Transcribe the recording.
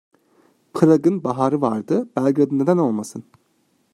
Prag'ın baharı vardı, Belgrad'ın neden olmasın?